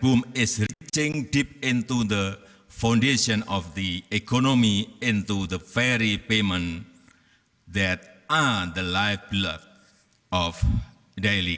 memperubah kehidupan sehari hari untuk ratusan miliar orang di seluruh dunia